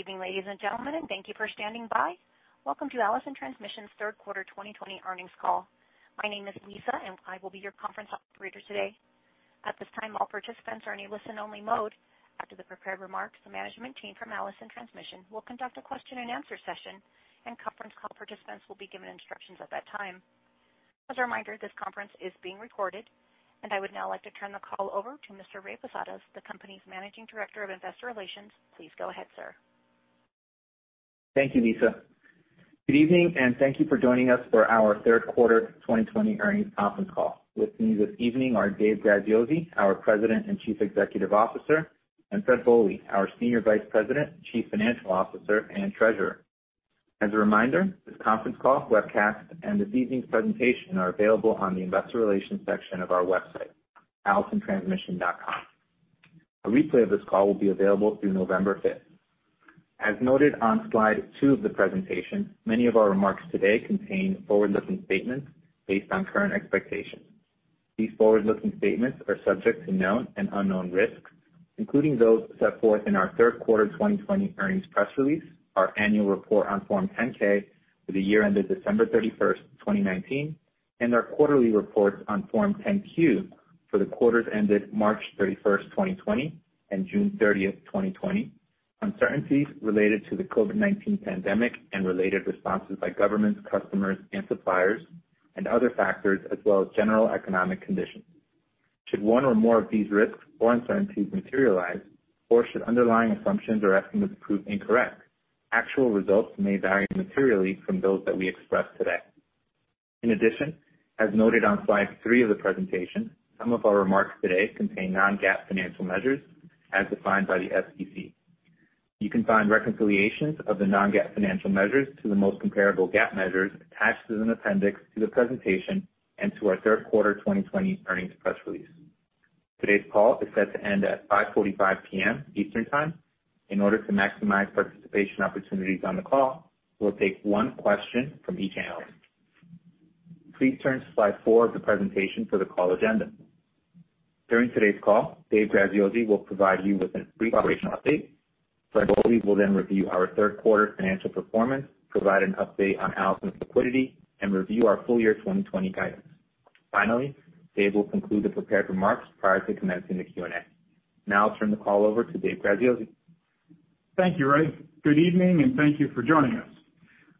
Good evening, ladies and gentlemen, and thank you for standing by. Welcome to Allison Transmission's third quarter 2020 earnings call. My name is Lisa, and I will be your conference operator today. At this time, all participants are in a listen-only mode. After the prepared remarks, the management team from Allison Transmission will conduct a question-and-answer session, and conference call participants will be given instructions at that time. As a reminder, this conference is being recorded, and I would now like to turn the call over to Mr. Ray Posadas, the company's Managing Director of Investor Relations. Please go ahead, sir. Thank you, Lisa. Good evening, and thank you for joining us for our third quarter 2020 earnings conference call. With me this evening are Dave Graziosi, our President and Chief Executive Officer, and Fred Bohley, our Senior Vice President, Chief Financial Officer, and Treasurer. As a reminder, this conference call, webcast, and this evening's presentation are available on the investor relations section of our website, allisontransmission.com. A replay of this call will be available through November fifth. As noted on slide 2 of the presentation, many of our remarks today contain forward-looking statements based on current expectations. These forward-looking statements are subject to known and unknown risks, including those set forth in our third quarter 2020 earnings press release, our annual report on Form 10-K for the year ended December 31, 2019, and our quarterly reports on Form 10-Q for the quarters ended March 31, 2020, and June 30, 2020, uncertainties related to the COVID-19 pandemic and related responses by governments, customers, and suppliers, and other factors as well as general economic conditions. Should one or more of these risks or uncertainties materialize, or should underlying assumptions or estimates prove incorrect, actual results may vary materially from those that we express today. In addition, as noted on slide 3 of the presentation, some of our remarks today contain non-GAAP financial measures as defined by the SEC. You can find reconciliations of the non-GAAP financial measures to the most comparable GAAP measures attached as an appendix to the presentation and to our third quarter 2020 earnings press release. Today's call is set to end at 5:45 P.M. Eastern Time. In order to maximize participation opportunities on the call, we'll take 1 question from each analyst. Please turn to slide 4 of the presentation for the call agenda. During today's call, Dave Graziosi will provide you with a brief operational update. Fred Bohley will then review our third quarter financial performance, provide an update on Allison's liquidity, and review our full year 2020 guidance. Finally, Dave will conclude the prepared remarks prior to commencing the Q&A. Now I'll turn the call over to Dave Graziosi. Thank you, Ray. Good evening, and thank you for joining us.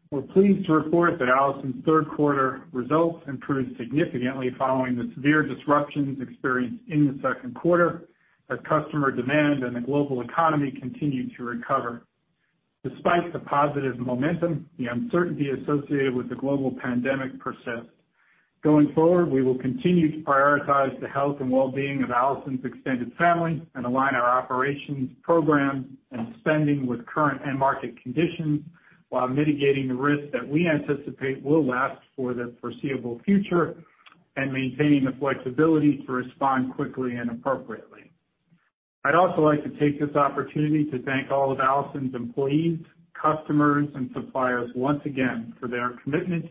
We're pleased to report that Allison's third quarter results improved significantly following the severe disruptions experienced in the second quarter, as customer demand and the global economy continued to recover. Despite the positive momentum, the uncertainty associated with the global pandemic persists. Going forward, we will continue to prioritize the health and well-being of Allison's extended family and align our operations, program, and spending with current end market conditions, while mitigating the risks that we anticipate will last for the foreseeable future and maintaining the flexibility to respond quickly and appropriately. I'd also like to take this opportunity to thank all of Allison's employees, customers, and suppliers once again for their commitment,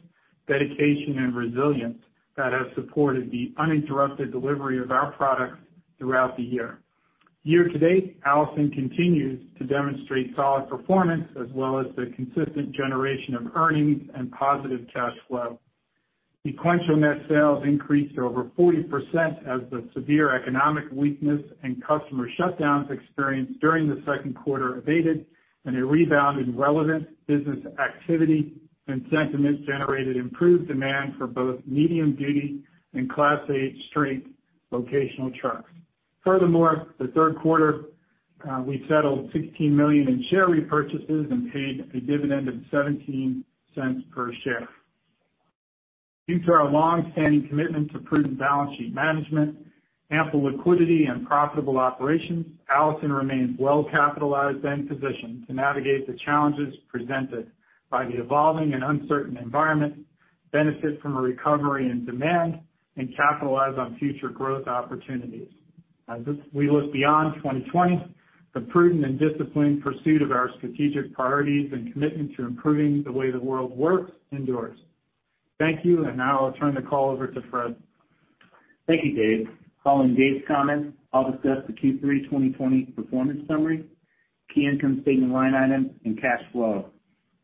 dedication, and resilience that have supported the uninterrupted delivery of our products throughout the year. Year to date, Allison continues to demonstrate solid performance as well as the consistent generation of earnings and positive cash flow. Sequential net sales increased over 40% as the severe economic weakness and customer shutdowns experienced during the second quarter abated and a rebound in relevant business activity and sentiment generated improved demand for both medium-duty and Class 8 straight vocational trucks. Furthermore, the third quarter, we settled $16 million in share repurchases and paid a dividend of $0.17 per share. Due to our longstanding commitment to prudent balance sheet management, ample liquidity, and profitable operations, Allison remains well capitalized and positioned to navigate the challenges presented by the evolving and uncertain environment, benefit from a recovery in demand, and capitalize on future growth opportunities. As we look beyond 2020, the prudent and disciplined pursuit of our strategic priorities and commitment to improving the way the world works endures. Thank you, and now I'll turn the call over to Fred. Thank you, Dave. Following Dave's comments, I'll discuss the Q3 2020 performance summary, key income statement line items, and cash flow.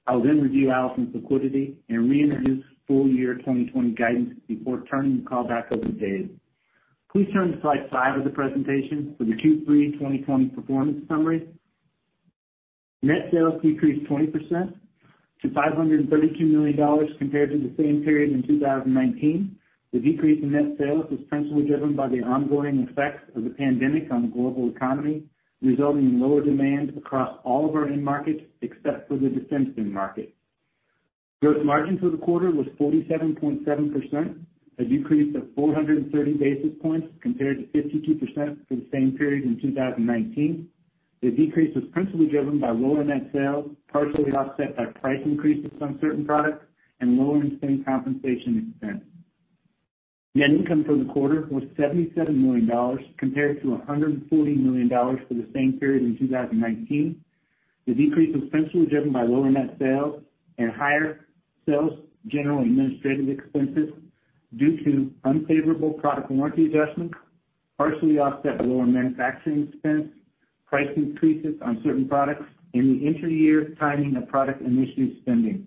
I'll then review Allison's liquidity and reintroduce full year 2020 guidance before turning the call back over to Dave. Please turn to slide five of the presentation for the Q3 2020 performance summary. Net sales decreased 20% to $532 million compared to the same period in 2019. The decrease in net sales was principally driven by the ongoing effects of the pandemic on the global economy, resulting in lower demand across all of our end markets, except for the defense end market. Gross margin for the quarter was 47.7%, a decrease of 430 basis points compared to 52% for the same period in 2019. The decrease was principally driven by lower net sales, partially offset by price increases on certain products and lower SG&A and compensation expense. Net income for the quarter was $77 million, compared to $140 million for the same period in 2019. The decrease was principally driven by lower net sales and higher sales, general and administrative expenses due to unfavorable product warranty adjustments, partially offset by lower manufacturing expense, price increases on certain products, and the inter-year timing of product initiative spending.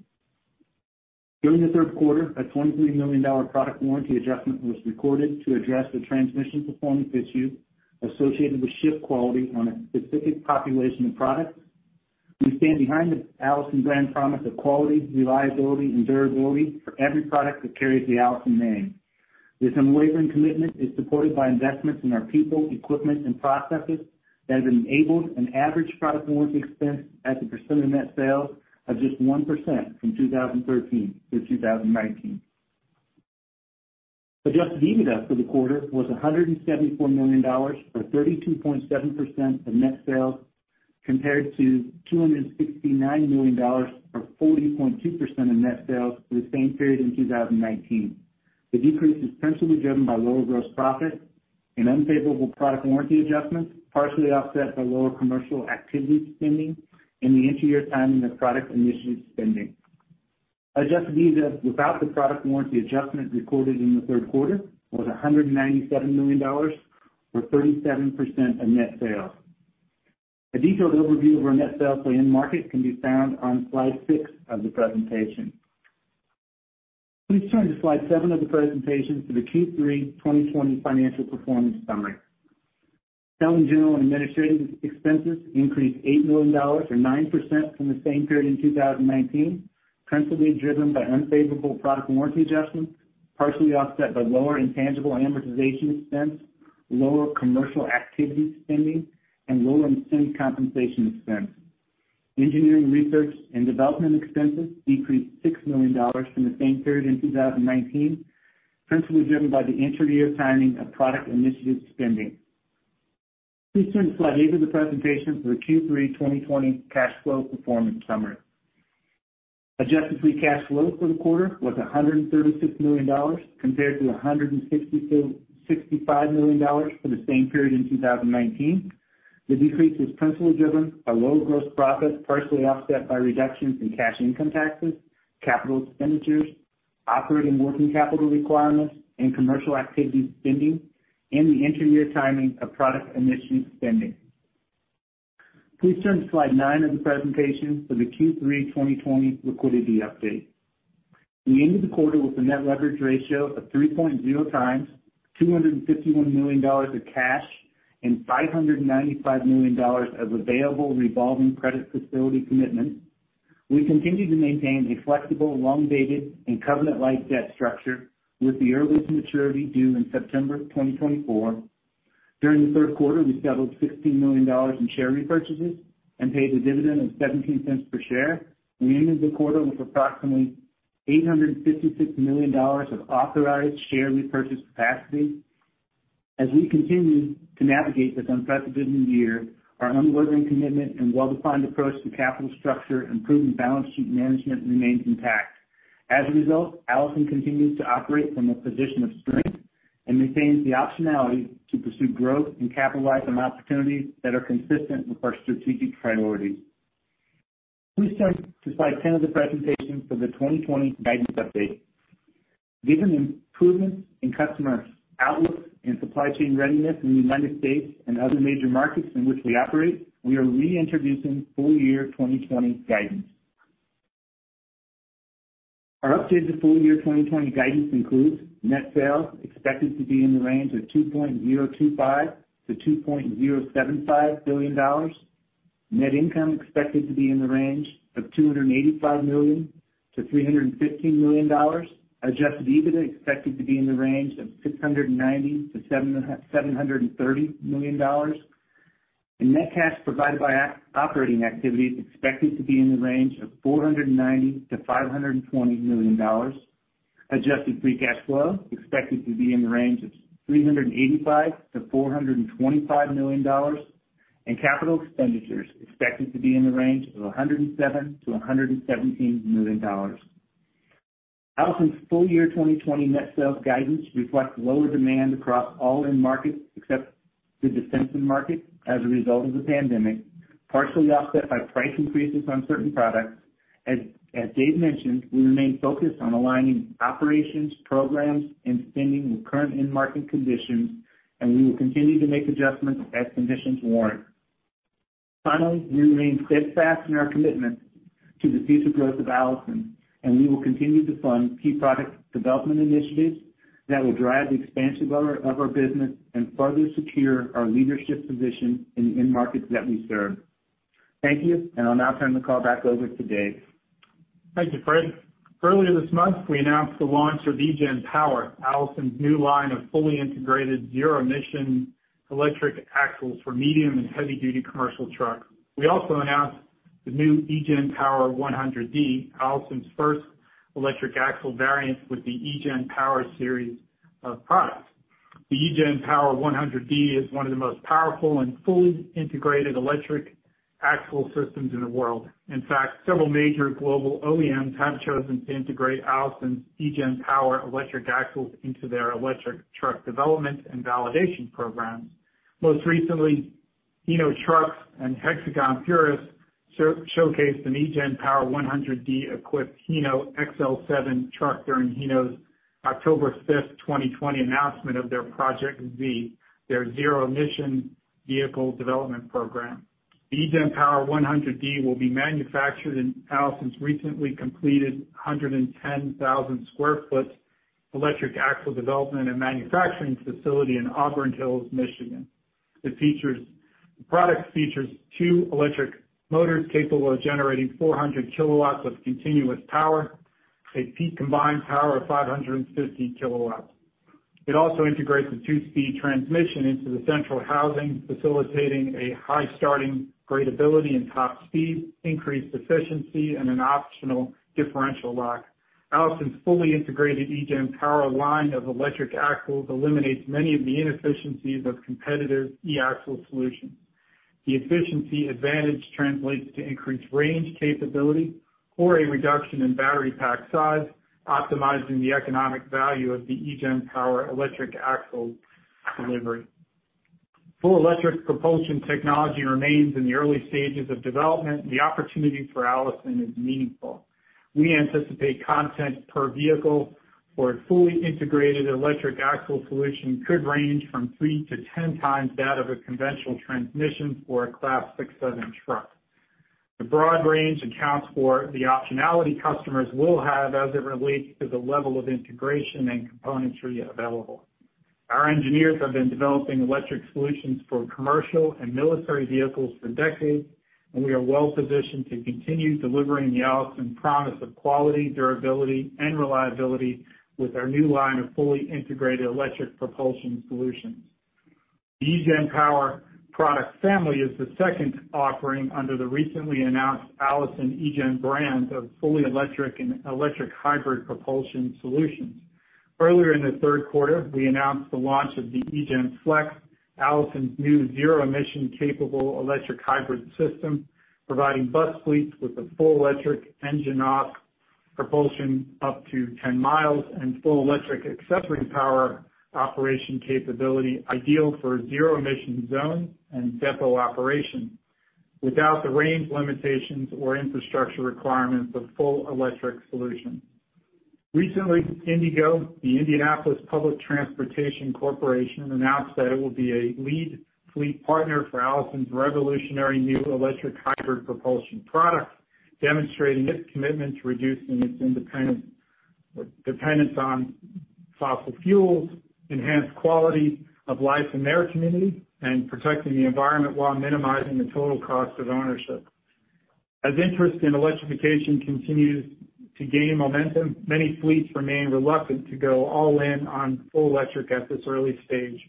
During the third quarter, a $23 million product warranty adjustment was recorded to address a transmission performance issue associated with shift quality on a specific population of products. We stand behind the Allison brand promise of quality, reliability, and durability for every product that carries the Allison name. This unwavering commitment is supported by investments in our people, equipment, and processes that have enabled an average product warranty expense as a percent of net sales of just 1% from 2013 through 2019. Adjusted EBITDA for the quarter was $174 million, or 32.7% of net sales, compared to $269 million, or 40.2% of net sales for the same period in 2019. The decrease is principally driven by lower gross profit and unfavorable product warranty adjustments, partially offset by lower commercial activity spending and the inter-year timing of product initiative spending. Adjusted EBITDA without the product warranty adjustment recorded in the third quarter was $197 million, or 37% of net sales. A detailed overview of our net sales by end market can be found on slide 6 of the presentation. Please turn to slide 7 of the presentation for the Q3 2020 financial performance summary. Selling, general, and administrative expenses increased $8 million, or 9%, from the same period in 2019, principally driven by unfavorable product warranty adjustments, partially offset by lower intangible amortization expense, lower commercial activity spending, and lower incentive compensation expense. Engineering, research, and development expenses decreased $6 million from the same period in 2019, principally driven by the inter-year timing of product initiative spending. Please turn to slide 8 of the presentation for the Q3 2020 cash flow performance summary. Adjusted free cash flow for the quarter was $136 million, compared to $165 million for the same period in 2019. The decrease was principally driven by lower gross profit, partially offset by reductions in cash income taxes, capital expenditures, operating working capital requirements, and commercial activity spending, and the inter-year timing of product initiative spending. Please turn to slide 9 of the presentation for the Q3 2020 liquidity update. We ended the quarter with a net leverage ratio of 3.0 times, $251 million of cash, and $595 million of available revolving credit facility commitments. We continue to maintain a flexible, long-dated, and covenant-lite debt structure, with the earliest maturity due in September 2024. During the third quarter, we settled $16 million in share repurchases and paid a dividend of $0.17 per share. We ended the quarter with approximately $856 million of authorized share repurchase capacity. As we continue to navigate this unprecedented year, our unwavering commitment and well-defined approach to capital structure and proven balance sheet management remains intact. As a result, Allison continues to operate from a position of strength and maintains the optionality to pursue growth and capitalize on opportunities that are consistent with our strategic priorities. Please turn to slide 10 of the presentation for the 2020 guidance update. Given improvements in customer outlook and supply chain readiness in the United States and other major markets in which we operate, we are reintroducing full-year 2020 guidance. Our updated full-year 2020 guidance includes net sales expected to be in the range of $2.025 billion-$2.075 billion, net income expected to be in the range of $285 million-$315 million, Adjusted EBITDA expected to be in the range of $690 million-$730 million, and net cash provided by operating activities expected to be in the range of $490 million-$520 million, adjusted free cash flow expected to be in the range of $385 million-$425 million, and capital expenditures expected to be in the range of $107 million-$117 million. Allison's full-year 2020 net sales guidance reflects lower demand across all end markets, except the defense end market, as a result of the pandemic, partially offset by price increases on certain products. As Dave mentioned, we remain focused on aligning operations, programs, and spending with current end market conditions, and we will continue to make adjustments as conditions warrant. Finally, we remain steadfast in our commitment to the future growth of Allison, and we will continue to fund key product development initiatives that will drive the expansion of our business and further secure our leadership position in the end markets that we serve. Thank you, and I'll now turn the call back over to Dave. Thank you, Fred. Earlier this month, we announced the launch of eGen Power, Allison's new line of fully integrated, zero-emission electric axles for medium- and heavy-duty commercial trucks. We also announced the new eGen Power 100D, Allison's first electric axle variant with the eGen Power series of products. The eGen Power 100D is one of the most powerful and fully integrated electric axle systems in the world. In fact, several major global OEMs have chosen to integrate Allison's eGen Power electric axles into their electric truck development and validation programs. Most recently, Hino Trucks and Hexagon Purus showcased an eGen Power 100D-equipped Hino XL7 truck during Hino's October 5th, 2020 announcement of their Project Z, their zero-emission vehicle development program. The eGen Power 100D will be manufactured in Allison's recently completed 110,000-sq-ft electric axle development and manufacturing facility in Auburn Hills, Michigan. The product features two electric motors capable of generating 400 kW of continuous power, a peak combined power of 550 kW. It also integrates a two-speed transmission into the central housing, facilitating a high starting gradeability and top speed, increased efficiency, and an optional differential lock. Allison's fully integrated eGen Power line of electric axles eliminates many of the inefficiencies of competitive e-axle solutions. The efficiency advantage translates to increased range capability or a reduction in battery pack size, optimizing the economic value of the eGen Power electric axle delivery. Full electric propulsion technology remains in the early stages of development. The opportunity for Allison is meaningful. We anticipate content per vehicle for a fully integrated electric axle solution could range from 3-10 times that of a conventional transmission for a Class 6-7 truck. The broad range accounts for the optionality customers will have as it relates to the level of integration and components available. Our engineers have been developing electric solutions for commercial and military vehicles for decades, and we are well positioned to continue delivering the Allison promise of quality, durability, and reliability with our new line of fully integrated electric propulsion solutions. The eGen Power product family is the second offering under the recently announced Allison eGen brand of fully electric and electric hybrid propulsion solutions. Earlier in the third quarter, we announced the launch of the eGen Flex, Allison's new zero-emission-capable electric hybrid system, providing bus fleets with a full electric engine off propulsion up to 10 miles, and full electric accessory power operation capability, ideal for zero emission zone and depot operation, without the range limitations or infrastructure requirements of full electric solutions. Recently, IndyGo, the Indianapolis Public Transportation Corporation, announced that it will be a lead fleet partner for Allison's revolutionary new electric hybrid propulsion product, demonstrating its commitment to reducing its dependence on fossil fuels, enhanced quality of life in their community, and protecting the environment while minimizing the total cost of ownership. As interest in electrification continues to gain momentum, many fleets remain reluctant to go all in on full electric at this early stage.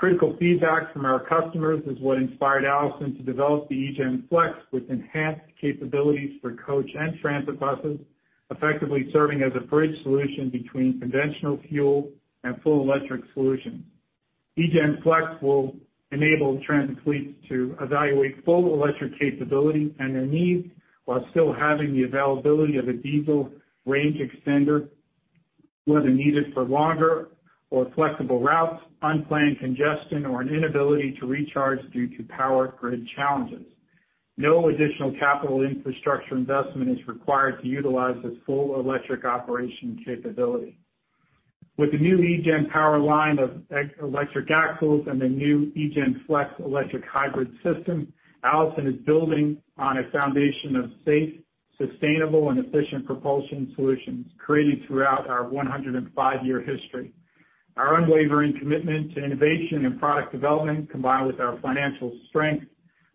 Critical feedback from our customers is what inspired Allison to develop the eGen Flex, with enhanced capabilities for coach and transit buses, effectively serving as a bridge solution between conventional fuel and full electric solutions. eGen Flex will enable transit fleets to evaluate full electric capability and their needs, while still having the availability of a diesel range extender, whether needed for longer or flexible routes, unplanned congestion, or an inability to recharge due to power grid challenges. No additional capital infrastructure investment is required to utilize this full electric operation capability. With the new eGen Power line of electric axles and the new eGen Flex electric hybrid system, Allison is building on a foundation of safe, sustainable, and efficient propulsion solutions created throughout our 105-year history. Our unwavering commitment to innovation and product development, combined with our financial strength,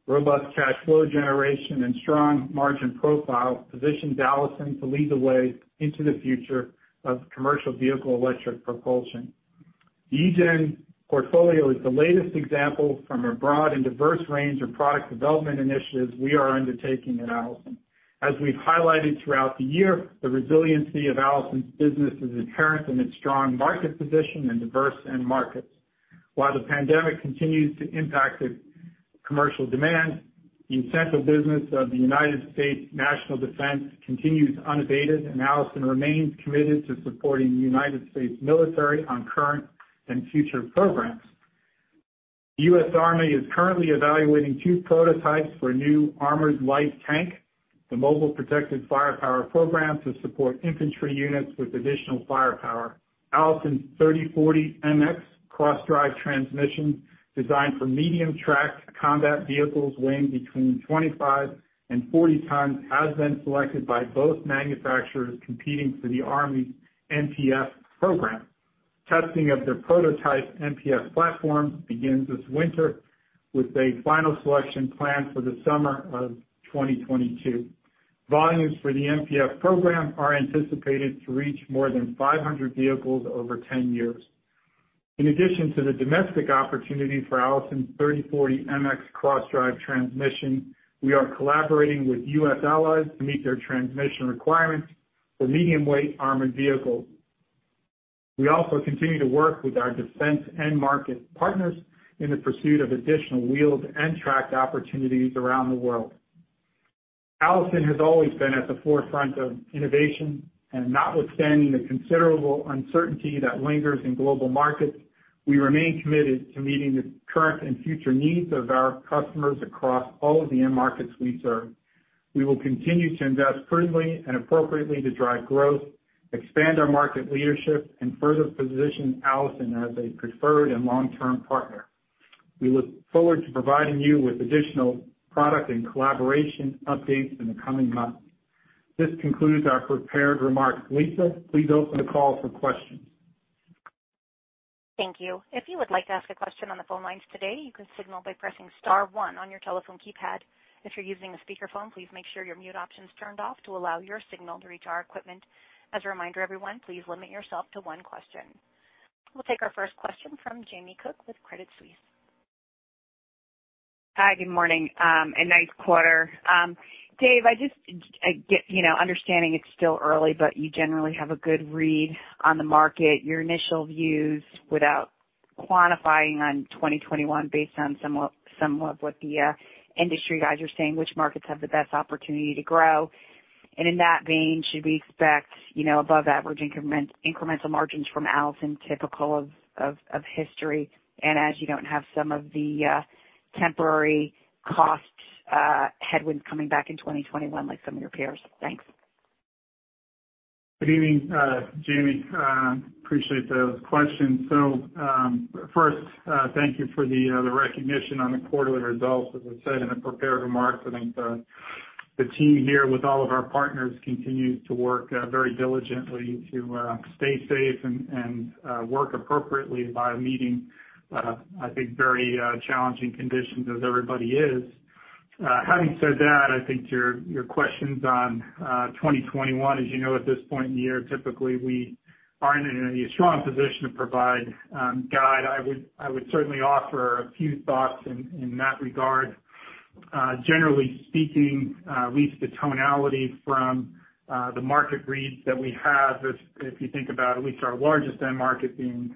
robust cash flow generation, and strong margin profile, positions Allison to lead the way into the future of commercial vehicle electric propulsion. The eGen portfolio is the latest example from a broad and diverse range of product development initiatives we are undertaking at Allison. As we've highlighted throughout the year, the resiliency of Allison's business is inherent in its strong market position and diverse end markets. While the pandemic continues to impact the commercial demand, the incentive business of the United States National Defense continues unabated, and Allison remains committed to supporting the United States military on current and future programs. The U.S. Army is currently evaluating two prototypes for a new armored light tank, the Mobile Protected Firepower program, to support infantry units with additional firepower. Allison's 3040 MX cross-drive transmission, designed for medium-tracked combat vehicles weighing between 25 and 40 tons, has been selected by both manufacturers competing for the Army's MPF program. Testing of their prototype MPF platform begins this winter, with a final selection planned for the summer of 2022. Volumes for the MPF program are anticipated to reach more than 500 vehicles over 10 years. In addition to the domestic opportunity for Allison's 3040 MX cross-drive transmission, we are collaborating with U.S. allies to meet their transmission requirements for medium-weight armored vehicles. We also continue to work with our defense end market partners in the pursuit of additional wheeled and tracked opportunities around the world.... Allison has always been at the forefront of innovation, and notwithstanding the considerable uncertainty that lingers in global markets, we remain committed to meeting the current and future needs of our customers across all of the end markets we serve. We will continue to invest prudently and appropriately to drive growth, expand our market leadership and further position Allison as a preferred and long-term partner. We look forward to providing you with additional product and collaboration updates in the coming months. This concludes our prepared remarks. Lisa, please open the call for questions. Thank you. If you would like to ask a question on the phone lines today, you can signal by pressing star one on your telephone keypad. If you're using a speakerphone, please make sure your mute option is turned off to allow your signal to reach our equipment. As a reminder, everyone, please limit yourself to one question. We'll take our first question from Jamie Cook with Credit Suisse. Hi, good morning, and nice quarter. Dave, I just get, you know, understanding it's still early, but you generally have a good read on the market. Your initial views without quantifying on 2021, based on somewhat, somewhat what the industry guys are saying, which markets have the best opportunity to grow? And in that vein, should we expect, you know, above average incremental margins from Allison, typical of history, and as you don't have some of the temporary cost headwinds coming back in 2021, like some of your peers? Thanks. Good evening, Jamie. Appreciate those questions. So, first, thank you for the, the recognition on the quarterly results. As I said in the prepared remarks, I think, the team here, with all of our partners, continues to work, very diligently to, stay safe and, and, work appropriately by meeting, I think, very, challenging conditions, as everybody is. Having said that, I think your, your questions on, 2021, as you know, at this point in the year, typically, we aren't in a strong position to provide, guide. I would, I would certainly offer a few thoughts in, in that regard. Generally speaking, at least the tonality from the market reads that we have, if you think about at least our largest end market being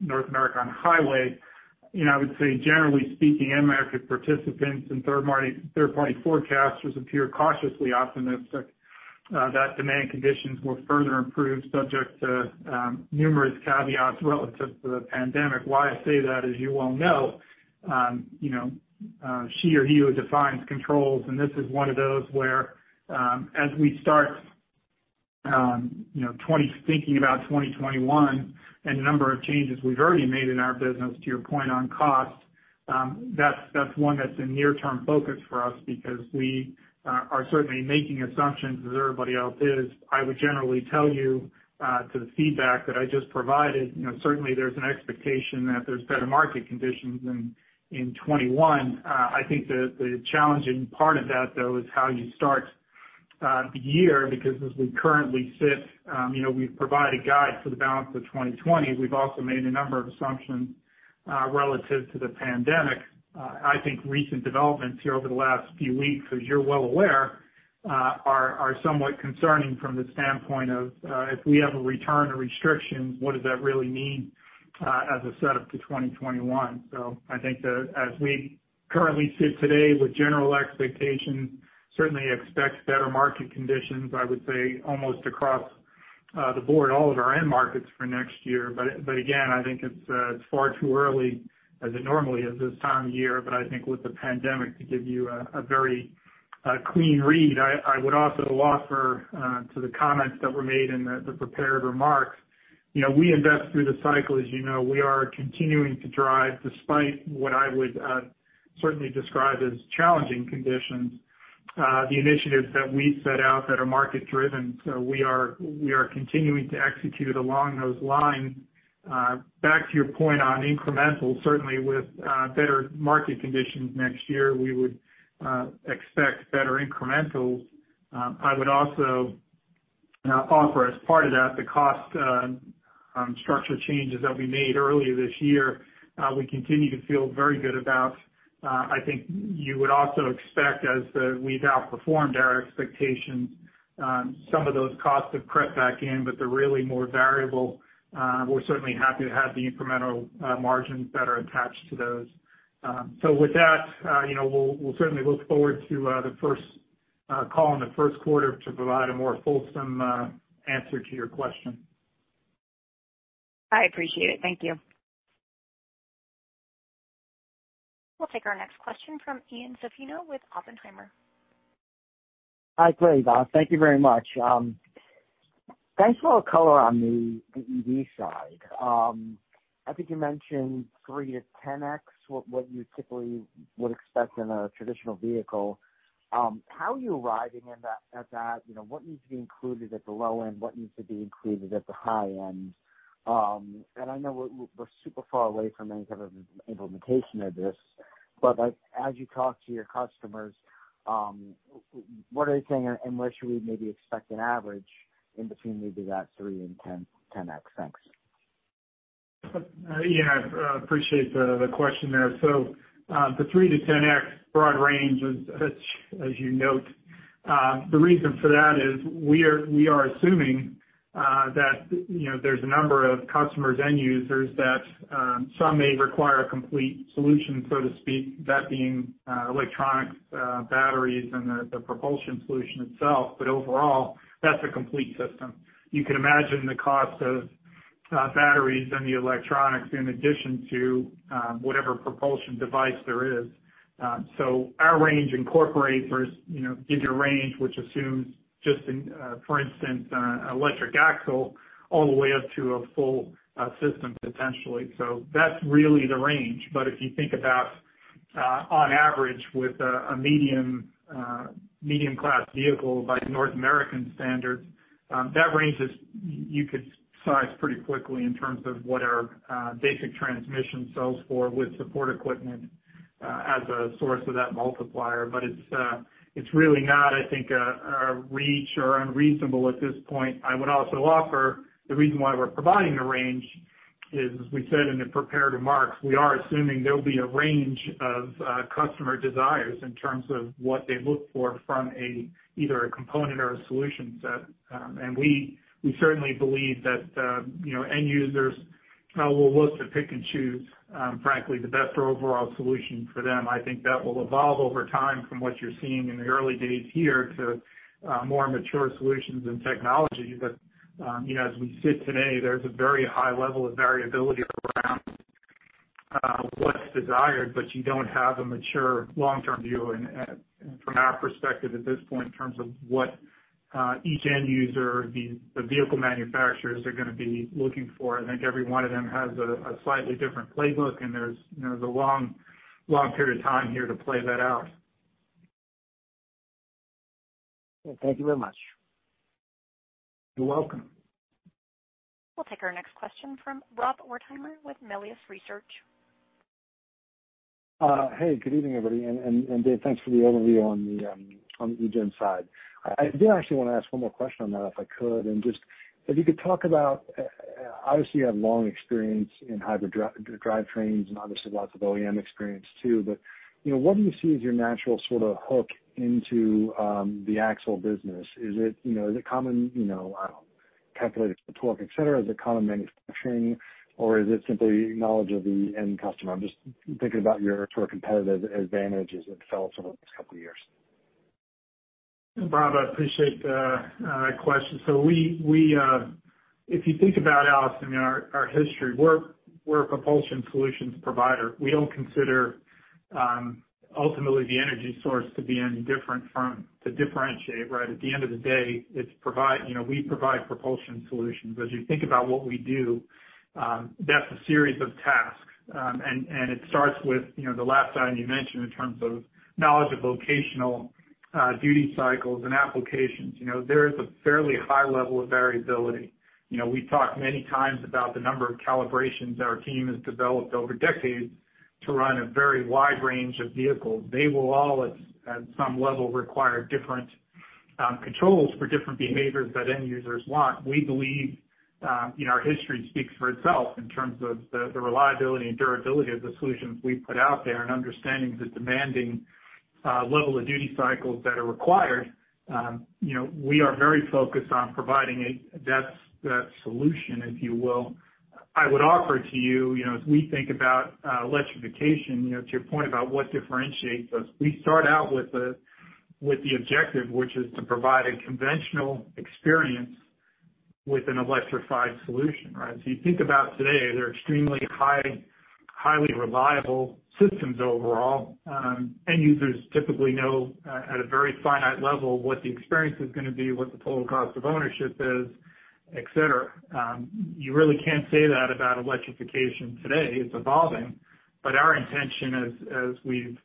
North America on-highway, you know, I would say, generally speaking, end market participants and third party forecasters appear cautiously optimistic that demand conditions will further improve, subject to numerous caveats relative to the pandemic. Why I say that, as you well know, you know, she or he who defines controls, and this is one of those where, as we start, you know, thinking about 2021 and the number of changes we've already made in our business, to your point on cost, that's one that's a near-term focus for us because we are certainly making assumptions, as everybody else is. I would generally tell you, to the feedback that I just provided, you know, certainly there's an expectation that there's better market conditions in 2021. I think the challenging part of that, though, is how you start the year, because as we currently sit, you know, we've provided guide for the balance of 2020. We've also made a number of assumptions, relative to the pandemic. I think recent developments here over the last few weeks, as you're well aware, are somewhat concerning from the standpoint of, if we have a return to restrictions, what does that really mean, as a setup to 2021? So I think that as we currently sit today with general expectations, certainly expect better market conditions, I would say, almost across the board, all of our end markets for next year. But again, I think it's far too early, as it normally is this time of year, but I think with the pandemic, to give you a very clean read. I would also offer to the comments that were made in the prepared remarks, you know, we invest through the cycle. As you know, we are continuing to drive, despite what I would certainly describe as challenging conditions, the initiatives that we set out that are market driven. So we are continuing to execute along those lines. Back to your point on incremental, certainly with better market conditions next year, we would expect better incrementals. I would also offer as part of that, the cost structure changes that we made earlier this year, we continue to feel very good about. I think you would also expect, as we've outperformed our expectations, some of those costs have crept back in, but they're really more variable. We're certainly happy to have the incremental margins that are attached to those. So with that, you know, we'll certainly look forward to the first call in the first quarter to provide a more fulsome answer to your question. I appreciate it. Thank you. We'll take our next question from Ian Zaffino with Oppenheimer. Hi, great. Thank you very much. Thanks for all the color on the EEV side. I think you mentioned 3-10x, what you typically would expect in a traditional vehicle. How are you arriving at that? You know, what needs to be included at the low end? What needs to be included at the high end? And I know we're super far away from any type of implementation of this, but, like, as you talk to your customers, what are they saying, and where should we maybe expect an average in between maybe that 3-10x? Thanks. Yeah, appreciate the question there. So, the 3-10x broad range is, as you note, the reason for that is we are assuming that, you know, there's a number of customers, end users that, some may require a complete solution, so to speak, that being, electronics, batteries, and the propulsion solution itself. But overall, that's a complete system. You can imagine the cost of, batteries and the electronics in addition to, whatever propulsion device there is. So our range incorporates or, you know, gives a range which assumes just in, for instance, electric axle, all the way up to a full, system potentially. So that's really the range. But if you think about on average, with a medium class vehicle by North American standards, that range is, you could size pretty quickly in terms of what our basic transmission sells for, with support equipment, as a source of that multiplier. But it's really not, I think, reach or unreasonable at this point. I would also offer, the reason why we're providing the range is, as we said in the prepared remarks, we are assuming there'll be a range of customer desires in terms of what they look for from a, either a component or a solution set. And we certainly believe that you know, end users will look to pick and choose, frankly, the best overall solution for them. I think that will evolve over time from what you're seeing in the early days here to more mature solutions and technology. But you know, as we sit today, there's a very high level of variability around what's desired, but you don't have a mature long-term view. And from our perspective, at this point, in terms of what each end user, the vehicle manufacturers are gonna be looking for, I think every one of them has a slightly different playbook, and there's you know, there's a long, long period of time here to play that out. Thank you very much. You're welcome. We'll take our next question from Rob Wertheimer with Melius Research. Hey, good evening, everybody. Dave, thanks for the overview on the eGen side. I did actually want to ask one more question on that, if I could. Just, if you could talk about, obviously, you have long experience in hybrid drivetrains and obviously lots of OEM experience too. But, you know, what do you see as your natural sort of hook into the axle business? Is it, you know, is it common, you know, calculated torque, et cetera? Is it common manufacturing, or is it simply knowledge of the end customer? I'm just thinking about your sort of competitive advantage as it develops over the next couple of years. Rob, I appreciate the question. So if you think about us, I mean, our history, we're a propulsion solutions provider. We don't consider ultimately, the energy source to be any different from, to differentiate, right? At the end of the day, it's provide, you know, we provide propulsion solutions. As you think about what we do, that's a series of tasks. And it starts with, you know, the last item you mentioned in terms of knowledge of vocational duty cycles and applications. You know, there is a fairly high level of variability. You know, we've talked many times about the number of calibrations our team has developed over decades to run a very wide range of vehicles. They will all, at some level, require different controls for different behaviors that end users want. We believe, you know, our history speaks for itself in terms of the, the reliability and durability of the solutions we put out there and understanding the demanding level of duty cycles that are required. You know, we are very focused on providing that, that solution, if you will. I would offer to you, you know, as we think about electrification, you know, to your point about what differentiates us, we start out with the, with the objective, which is to provide a conventional experience with an electrified solution, right? So you think about today, they're extremely high, highly reliable systems overall. End users typically know at a very finite level, what the experience is gonna be, what the total cost of ownership is, et cetera. You really can't say that about electrification today. It's evolving, but our intention as we've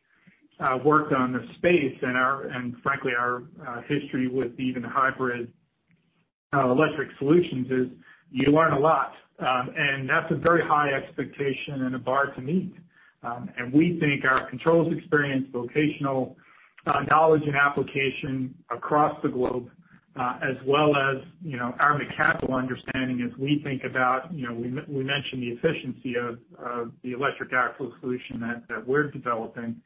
worked on this space and our, and frankly, our history with even hybrid electric solutions is, you learn a lot. And that's a very high expectation and a bar to meet. And we think our controls experience, vocational knowledge, and application across the globe, as well as, you know, our mechanical understanding as we think about, you know, we mentioned the efficiency of the electric axle solution that we're developing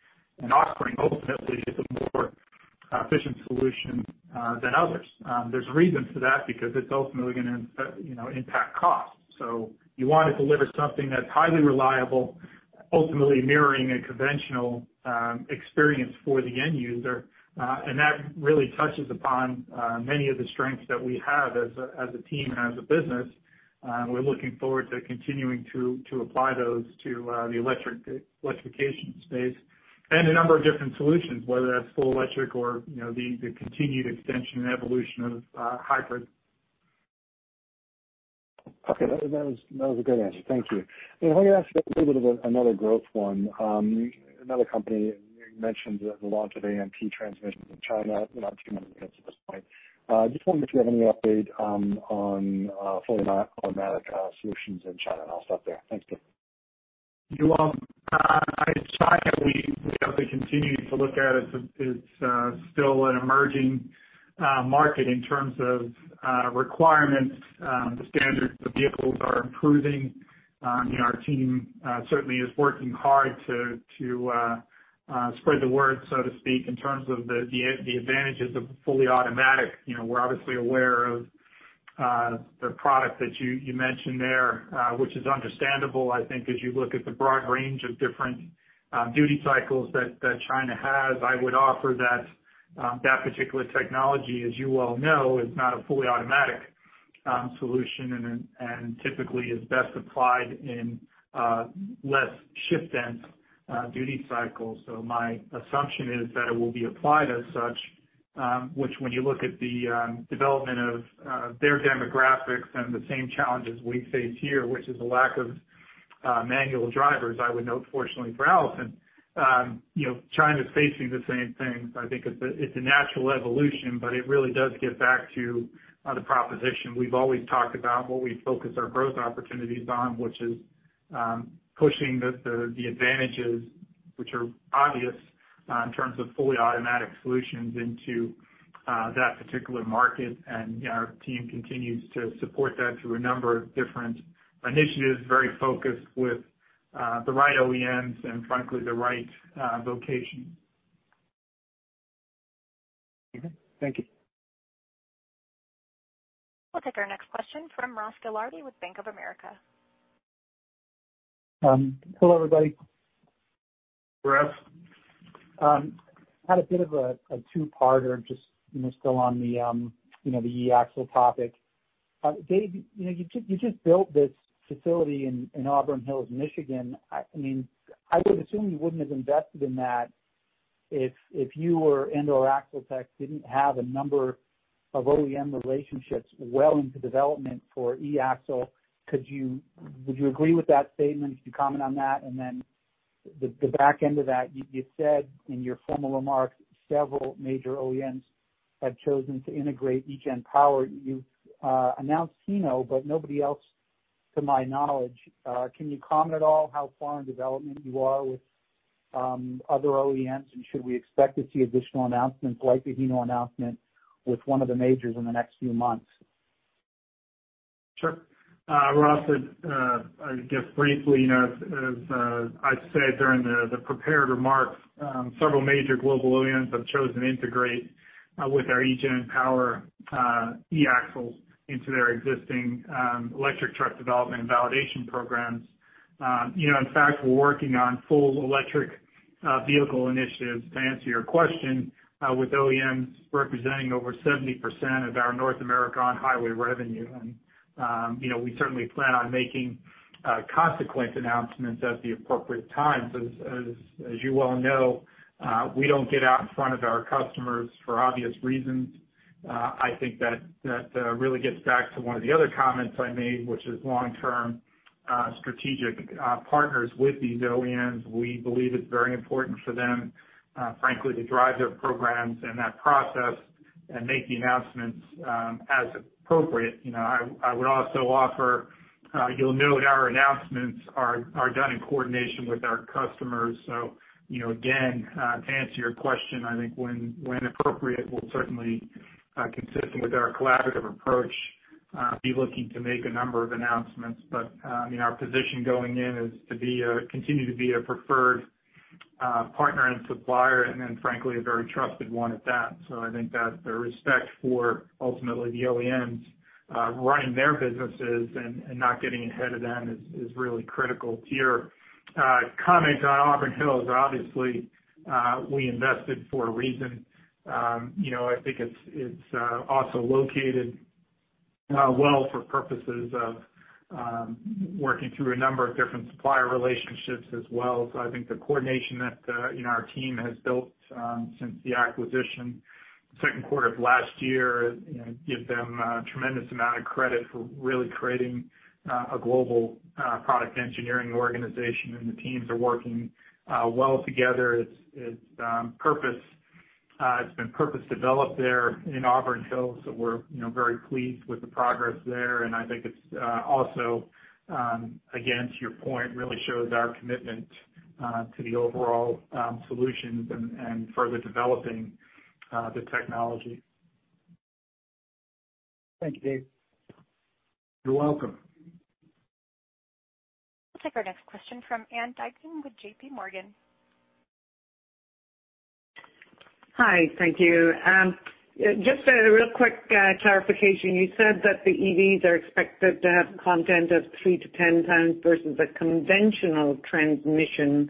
and offering ultimately is a more efficient solution than others. There's a reason for that, because it's ultimately gonna, you know, impact cost. So you want to deliver something that's highly reliable, ultimately mirroring a conventional experience for the end user. And that really touches upon many of the strengths that we have as a team and as a business. We're looking forward to continuing to apply those to the electrification space and a number of different solutions, whether that's full electric or, you know, the continued extension and evolution of hybrid. Okay, that was a good answer. Thank you. Let me ask a little bit of another growth one. Another company, you mentioned the launch of AMT transmissions in China, not too many minutes at this point. Just wondering if you have any update on fully automatic solutions in China, and I'll stop there. Thanks, Dave. Well, I'd say that we definitely continue to look at it. It's still an emerging market in terms of requirements. The standards of vehicles are improving. You know, our team certainly is working hard to spread the word, so to speak, in terms of the advantages of fully automatic. You know, we're obviously aware of the product that you mentioned there, which is understandable, I think, as you look at the broad range of different duty cycles that China has. I would offer that that particular technology, as you well know, is not a fully automatic solution and typically is best applied in less shift dense duty cycles. My assumption is that it will be applied as such, which when you look at the development of their demographics and the same challenges we face here, which is a lack of manual drivers, I would note, fortunately for Allison, you know, China's facing the same thing. I think it's a natural evolution, but it really does get back to the proposition. We've always talked about what we focus our growth opportunities on, which is pushing the advantages which are obvious in terms of fully automatic solutions into that particular market. You know, our team continues to support that through a number of different initiatives, very focused with the right OEMs and frankly, the right location. Okay, thank you. We'll take our next question from Ross Gilardi with Bank of America. Hello, everybody. Ross. Had a bit of a two-parter, just, you know, still on the, you know, the e-axle topic. Dave, you know, you just built this facility in Auburn Hills, Michigan. I mean, I would assume you wouldn't have invested in that if you or AxleTech didn't have a number of OEM relationships well into development for e-axle. Would you agree with that statement? Could you comment on that? And then the back end of that, you said in your formal remarks, several major OEMs have chosen to integrate eGen Power. You've announced Hino, but nobody else, to my knowledge. Can you comment at all how far in development you are with other OEMs? Should we expect to see additional announcements like the Hino announcement with one of the majors in the next few months? Sure. Ross, I guess briefly, you know, as I've said during the prepared remarks, several major global OEMs have chosen to integrate with our eGen Power e-axles into their existing electric truck development and validation programs. You know, in fact, we're working on full electric vehicle initiatives to answer your question with OEMs representing over 70% of our North America on-highway revenue. You know, we certainly plan on making consequent announcements at the appropriate times. As you well know, we don't get out in front of our customers for obvious reasons. I think that really gets back to one of the other comments I made, which is long-term strategic partners with these OEMs. We believe it's very important for them, frankly, to drive their programs and that process and make the announcements, as appropriate. You know, I would also offer, you'll note our announcements are done in coordination with our customers. So, you know, again, to answer your question, I think when appropriate, we'll certainly, consistent with our collaborative approach, be looking to make a number of announcements. But, I mean, our position going in is to continue to be a preferred partner and supplier, and then frankly, a very trusted one at that. So I think that the respect for ultimately the OEMs running their businesses and not getting ahead of them is really critical. To your comment on Auburn Hills, obviously, we invested for a reason. You know, I think it's also located well for purposes of working through a number of different supplier relationships as well. So I think the coordination that you know, our team has built since the acquisition the second quarter of last year, you know, give them a tremendous amount of credit for really creating a global product engineering organization. And the teams are working well together. It's been purpose developed there in Auburn Hills, so we're you know, very pleased with the progress there. And I think it's also, again, to your point, really shows our commitment to the overall solutions and further developing the technology. Thank you, Dave. You're welcome. We'll take our next question from Ann Duignan with JP Morgan. Hi, thank you. Just a real quick clarification. You said that the EVs are expected to have content of 3-10 times versus a conventional transmission.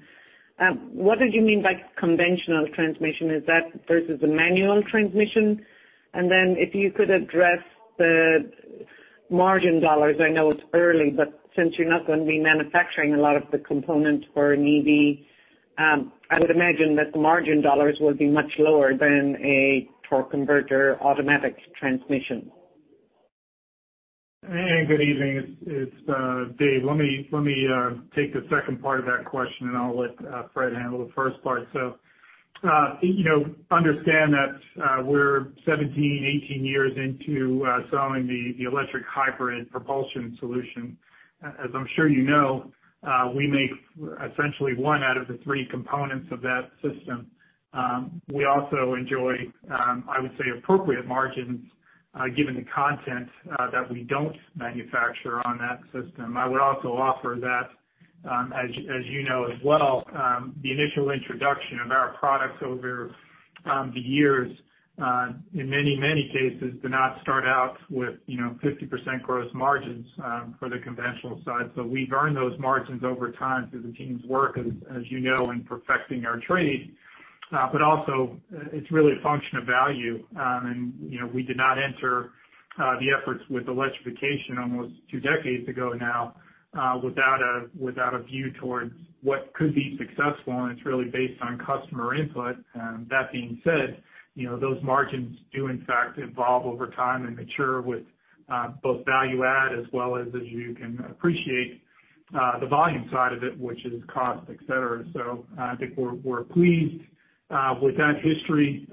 What did you mean by conventional transmission? Is that versus a manual transmission? And then if you could address the margin dollars, I know it's early, but since you're not going to be manufacturing a lot of the components for an EV, I would imagine that the margin dollars will be much lower than a torque converter automatic transmission. Anne, good evening. It's Dave. Let me take the second part of that question, and I'll let Fred handle the first part. So, you know, understand that, we're 17, 18 years into selling the electric hybrid propulsion solution. As I'm sure you know, we make essentially one out of the three components of that system. We also enjoy, I would say, appropriate margins, given the content, that we don't manufacture on that system. I would also offer that, as you know as well, the initial introduction of our products over the years, in many cases, do not start out with, you know, 50% gross margins, for the conventional side. So we've earned those margins over time through the team's work, as you know, in perfecting our trade. But also, it's really a function of value. And, you know, we did not enter the efforts with electrification almost two decades ago now without a view towards what could be successful, and it's really based on customer input. And that being said, you know, those margins do in fact evolve over time and mature with both value add as well as you can appreciate the volume side of it, which is cost, et cetera. So, I think we're pleased with that history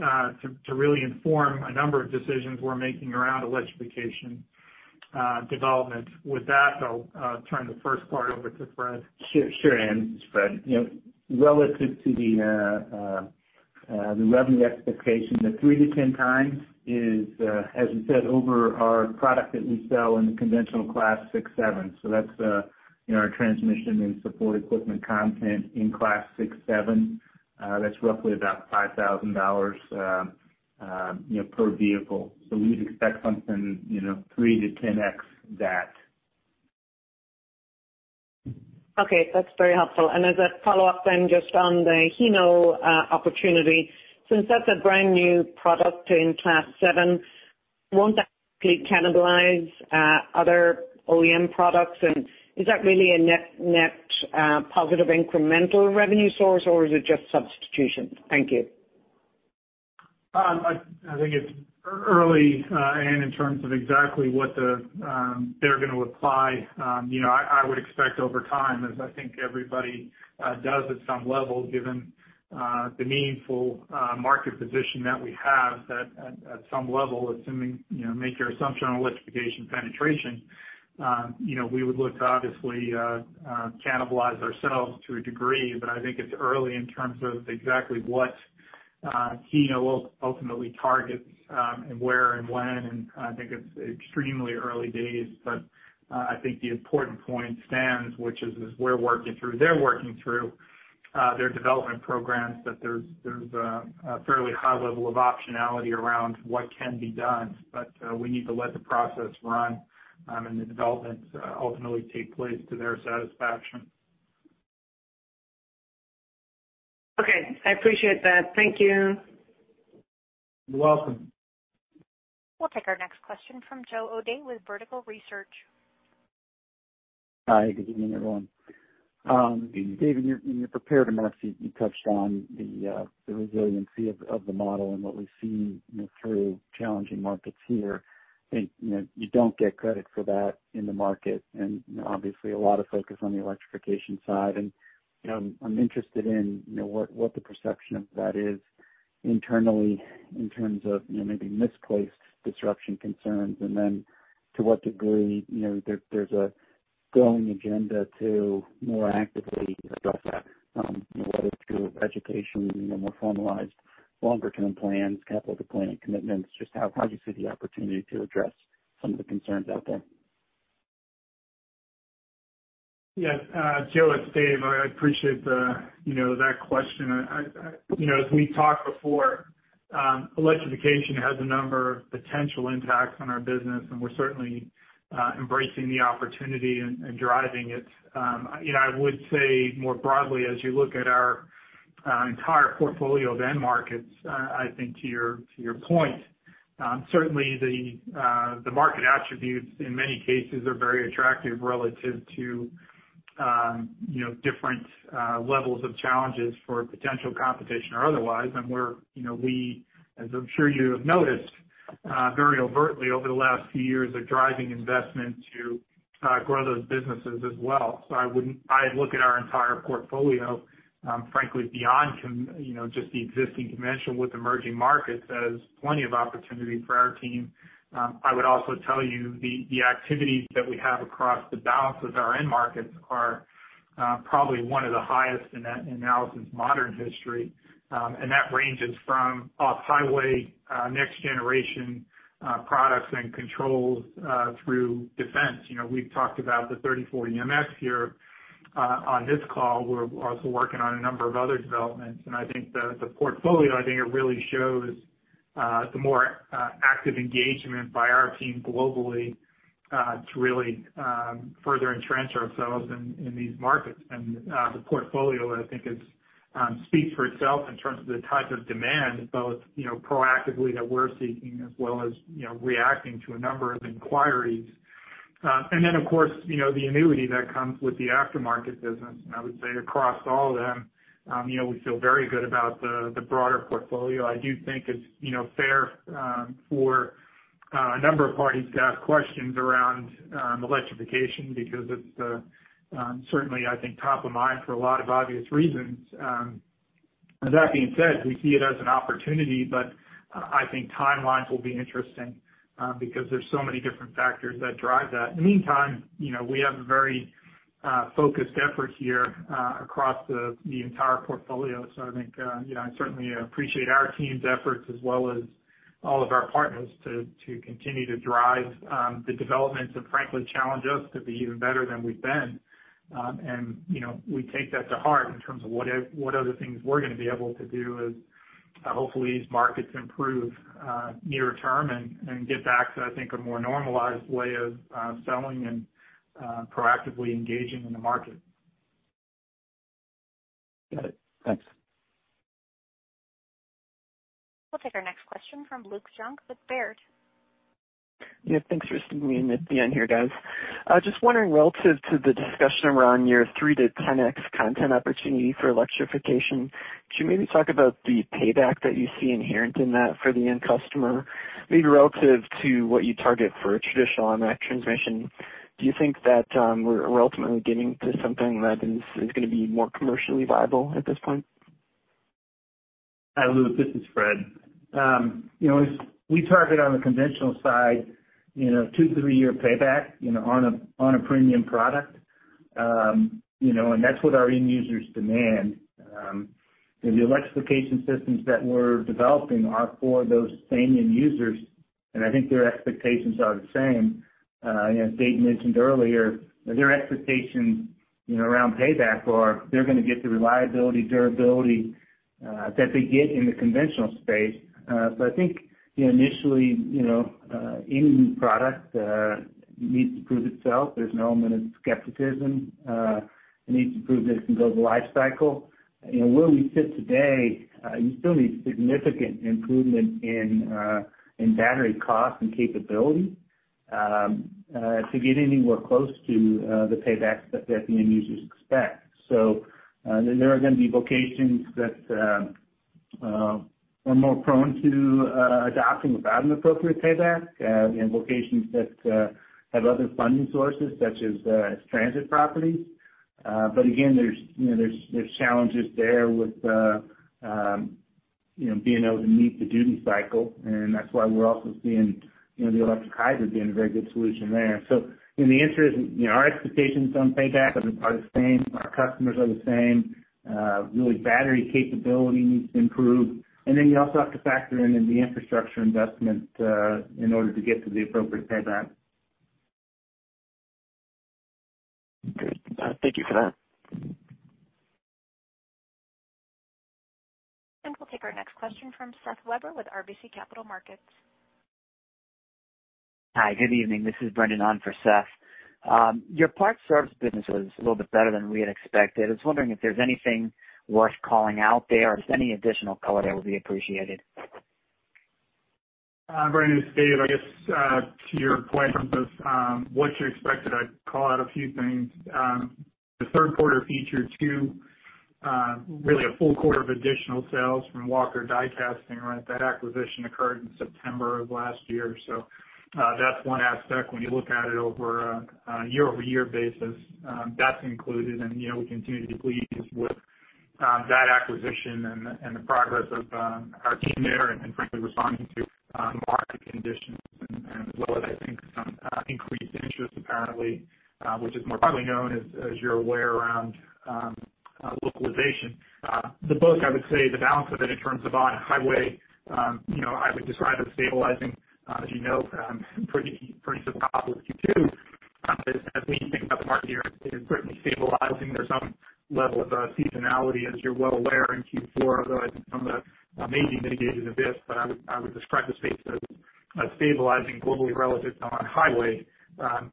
to really inform a number of decisions we're making around electrification development. With that, I'll turn the first part over to Fred. Sure, sure, Anne. It's Fred. You know, relative to the revenue expectation, the 3-10 times is, as you said, over our product that we sell in the conventional Class 6-7. So that's, you know, our transmission and support equipment content in Class 6-7, that's roughly about $5,000, you know, per vehicle. So we'd expect something, you know, 3-10x that. Okay, that's very helpful. And as a follow-up then, just on the Hino opportunity, since that's a brand new product in Class 7, won't that cannibalize other OEM products? And is that really a net, net positive incremental revenue source, or is it just substitution? Thank you. I think it's early, Anne, in terms of exactly what they're gonna apply. You know, I would expect over time, as I think everybody does at some level, given the meaningful market position that we have, that at some level, assuming, you know, make your assumption on electrification penetration, you know, we would look to obviously cannibalize ourselves to a degree. But I think it's early in terms of exactly what Hino will ultimately target, and where and when, and I think it's extremely early days. But I think the important point stands, which is, as we're working through—they're working through their development programs, that there's a fairly high level of optionality around what can be done. But, we need to let the process run, and the developments, ultimately take place to their satisfaction. Okay, I appreciate that. Thank you. You're welcome. We'll take our next question from Joe O'Dea with Vertical Research. Hi, good evening, everyone. Dave, in your prepared remarks, you touched on the resiliency of the model and what we've seen, you know, through challenging markets here. I think, you know, you don't get credit for that in the market, and, you know, obviously, a lot of focus on the electrification side. You know, I'm interested in, you know, what the perception of that is internally in terms of, you know, maybe misplaced disruption concerns. Then to what degree, you know, there's a growing agenda to more actively address that, you know, whether through education, you know, more formalized longer-term plans, capital deployment commitments, just how do you see the opportunity to address some of the concerns out there? Yes, Joe, it's Dave. I appreciate the, you know, that question. I you know, as we've talked before, electrification has a number of potential impacts on our business, and we're certainly embracing the opportunity and driving it. You know, I would say more broadly, as you look at our entire portfolio of end markets, I think to your point, certainly the market attributes in many cases are very attractive relative to, you know, different levels of challenges for potential competition or otherwise. And we're, you know, as I'm sure you have noticed, very overtly over the last few years, are driving investment to grow those businesses as well. I look at our entire portfolio, frankly, beyond commercial, you know, just the existing conventional with emerging markets, as plenty of opportunity for our team. I would also tell you the activities that we have across the balance of our end markets are probably one of the highest in that, in Allison's modern history. And that ranges from off-highway, next generation, products and controls, through defense. You know, we've talked about the 3040 MX here, on this call. We're also working on a number of other developments, and I think the portfolio, I think it really shows the more active engagement by our team globally, to really further entrench ourselves in these markets. The portfolio, I think, is speaks for itself in terms of the type of demand, both, you know, proactively that we're seeking, as well as, you know, reacting to a number of inquiries. And then, of course, you know, the annuity that comes with the aftermarket business, and I would say across all of them, you know, we feel very good about the, the broader portfolio. I do think it's, you know, fair, for, a number of parties to ask questions around, electrification, because it's, certainly, I think, top of mind for a lot of obvious reasons. And that being said, we see it as an opportunity, but, I think timelines will be interesting, because there's so many different factors that drive that. In the meantime, you know, we have a very focused effort here across the entire portfolio. So I think, you know, I certainly appreciate our team's efforts as well as all of our partners to continue to drive the developments and frankly, challenge us to be even better than we've been. And, you know, we take that to heart in terms of what other things we're gonna be able to do as hopefully these markets improve near term and get back to, I think, a more normalized way of selling and proactively engaging in the market. Got it. Thanks. We'll take our next question from Luke Junk with Baird. Yeah, thanks for sticking me in at the end here, guys. I just wondering, relative to the discussion around your 3-10x content opportunity for electrification, could you maybe talk about the payback that you see inherent in that for the end customer, maybe relative to what you target for a traditional on-highway transmission? Do you think that we're ultimately getting to something that is gonna be more commercially viable at this point? Hi, Luke, this is Fred. You know, as we target on the conventional side, you know, 2-3-year payback, you know, on a premium product, and that's what our end users demand. And the electrification systems that we're developing are for those same end users, and I think their expectations are the same. You know, as Dave mentioned earlier, their expectations, you know, around payback are they're gonna get the reliability, durability, that they get in the conventional space. So I think, you know, initially, you know, any new product needs to prove itself. There's an element of skepticism. It needs to prove it can build a life cycle. Where we sit today, you still need significant improvement in battery cost and capability to get anywhere close to the payback that the end users expect. So, there are gonna be locations that are more prone to adopting without an appropriate payback, and locations that have other funding sources, such as transit properties. But again, there's, you know, challenges there with, you know, being able to meet the duty cycle, and that's why we're also seeing, you know, the electric hybrid being a very good solution there. So, and the answer isn't, you know, our expectations on payback are the same, our customers are the same. Really, battery capability needs to improve, and then you also have to factor in, in the infrastructure investment, in order to get to the appropriate payback. Great. Thank you for that. We'll take our next question from Seth Weber with RBC Capital Markets. Hi, good evening. This is Brendan on for Seth. Your parts service business was a little bit better than we had expected. I was wondering if there's anything worth calling out there. Just any additional color that would be appreciated. Brendan, this is Dave. I guess, to your point in terms of, what you expected, I'd call out a few things. The third quarter featured two, really a full quarter of additional sales from Walker Die Casting. Right, that acquisition occurred in September of last year. So, that's one aspect when you look at it over a, year-over-year basis, that's included. And, you know, we continue to be pleased with, that acquisition and the, and the progress of, our team there, and frankly, responding to, market conditions and, and as well as I think, some, increased interest apparently, which is more commonly known as, as you're aware, around, localization. The book, I would say, the balance of it in terms of on-highway, you know, I would describe it as stabilizing. As you know, pretty susceptible Q2, as we think about the market here, it is certainly stabilizing. There's some level of seasonality, as you're well aware, in Q4, although I think some of it may be mitigated a bit, but I would describe the space as stabilizing globally relative to on-highway.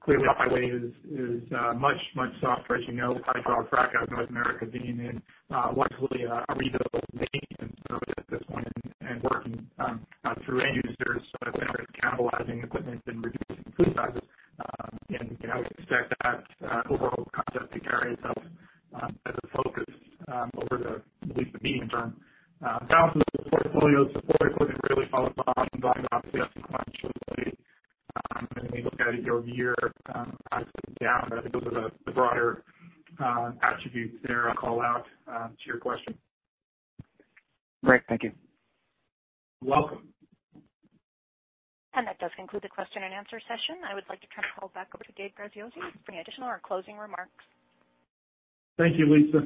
Clearly, off-highway is much softer, as you know, kind of drawback out of North America being in what is really a rebuild maintenance service at this point and working through end users that are interested in cannibalizing equipment and reducing fleet sizes. And, you know, we expect that overall concept to carry itself as a focus over at least the medium term. Balance of the portfolio, support equipment really followed the bottom line, obviously, sequentially. When we look at it year-over-year, obviously down, but I think those are the broader attributes there I'll call out, to your question. Great. Thank you. You're welcome. That does conclude the question and answer session. I would like to turn the call back over to Dave Graziosi for any additional or closing remarks. Thank you, Lisa.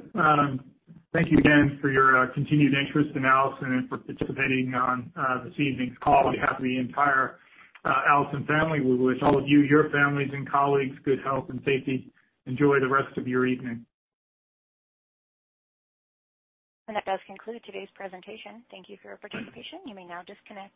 Thank you again for your continued interest in Allison and for participating on this evening's call. On behalf of the entire Allison family, we wish all of you, your families and colleagues, good health and safety. Enjoy the rest of your evening. That does conclude today's presentation. Thank you for your participation. You may now disconnect.